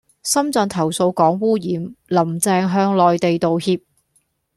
深圳投訴港污染,林鄭向內地道歉